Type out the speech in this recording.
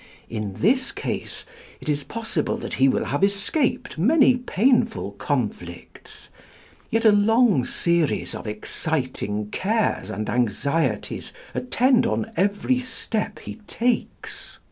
In this case, it is possible that he will have escaped many painful conflicts; yet a long series of exciting cares and anxieties attend on every step he takes.